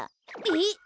えっ？